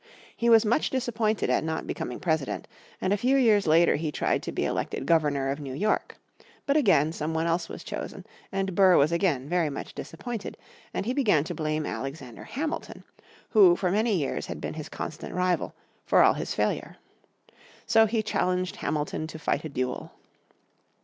He was much disappointed at not becoming President, and a few years later he tried to be elected Governor of New York. But again, someone else was chosen, and Burr was again very much disappointed, and he began to blame Alexander Hamilton, who for many years had been his constant rival, for all his failure. So he challenged Hamilton to fight a duel.